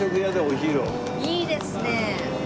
いいですね！